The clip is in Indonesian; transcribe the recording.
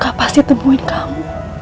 gak pasti temuin kamu